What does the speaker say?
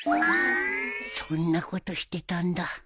そんなことしてたんだ